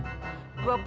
hah mahalamat bu